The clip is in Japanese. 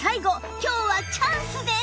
今日はチャンスです！